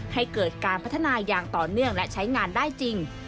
ให้เกิดการพัฒนาอย่างต่อเนื่องและใช้งานได้จริง